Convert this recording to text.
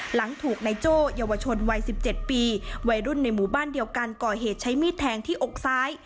หลังถูกนายโจ้เยาวชนวัย๑๗ปีวัยรุ่นในหมู่บ้านเดียวกันก่อเหตุใช้มีดแทงที่อกซ้าย